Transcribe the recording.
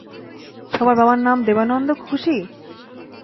সবার বাবার নাম দেবানন্দ, খুশি?